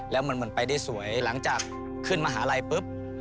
แล้วเหมือนไปได้สวยหลังจากขึ้นมหาลัยปุ๊บ